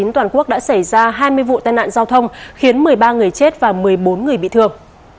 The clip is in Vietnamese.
toàn quốc đã xảy ra hai mươi vụ tai nạn giao thông khiến một mươi ba người chết và một mươi bốn người bị thương